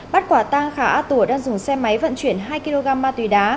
bắt quả tang khả á tùa đang dùng xe máy vận chuyển hai kg ma tùy đá